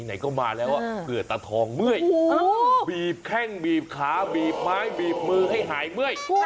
ไหนก็มาแล้วเผื่อตาทองเมื่อยบีบแข้งบีบขาบีบไม้บีบมือให้หายเมื่อย